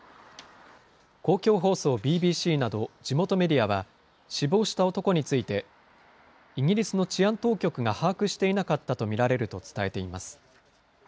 公共放送ＢＢＣなど、地元メディアは、死亡した男について、イギリスの治安当局が把握していなかったと見られると伝えています。